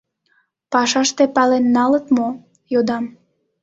— «Пашаште пален налыт мо?» — йодам.